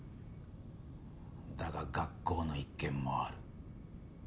だが学校の一件もある。